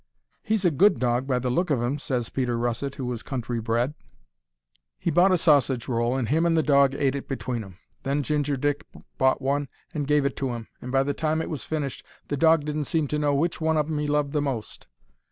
"He's a good dog, by the look of 'im," ses Peter Russet, who was country bred. He bought a sausage roll, and him and the dog ate it between 'em. Then Ginger Dick bought one and gave it to 'im, and by the time it was finished the dog didn't seem to know which one of 'em he loved the most.